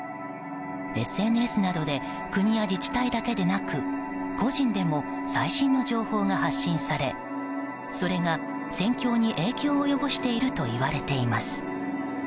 ＳＮＳなどで国や自治体だけでなく個人でも最新の情報が発信されそれが戦況に影響を及ぼしているといわれています。